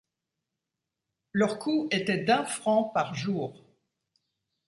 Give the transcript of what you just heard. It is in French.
Leur coût était d'un franc par jour.